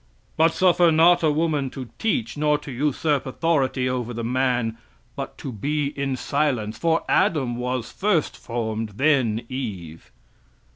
"But suffer not a woman to teach, nor to usurp authority over the man, but to be in silence. For Adam was first formed, then Eve.